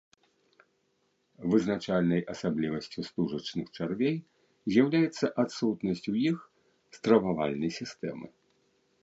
Вызначальнай асаблівасцю стужачных чарвей з'яўляецца адсутнасць у іх стрававальнай сістэмы.